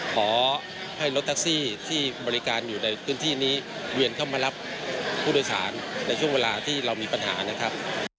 ขอให้รถแท็กซี่ที่บริการอยู่ในพื้นที่นี้เวียนเข้ามารับผู้โดยสารในช่วงเวลาที่เรามีปัญหานะครับ